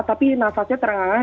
tapi napasnya terengah engah